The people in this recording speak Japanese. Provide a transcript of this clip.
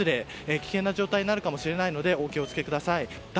危険な状態になるかもしれないのでお気を付けください。